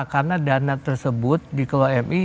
karena dana tersebut di kelola mi